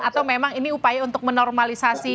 atau memang ini upaya untuk menormalisasi